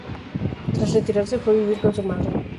Tras retirarse, fue a vivir con su madre.